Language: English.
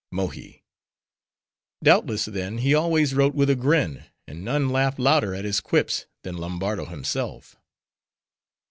MOHI—Doubtless, then, he always wrote with a grin; and none laughed louder at his quips, than Lombardo himself.